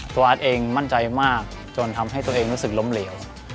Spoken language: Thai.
อาร์ตเองมั่นใจมากจนทำให้ตัวเองรู้สึกล้มเหลว